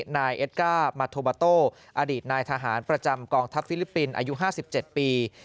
นายเอสก้ามาโทบาโต้อดีตนายทหารประจำกองทัพฟิลิปปินส์อายุ๕๗ปี